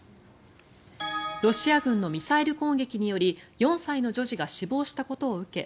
ロシア軍のミサイル攻撃により４歳の女児が死亡したことを受け